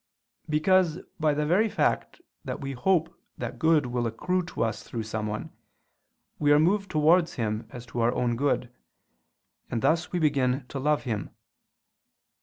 Because by the very fact that we hope that good will accrue to us through someone, we are moved towards him as to our own good; and thus we begin to love him.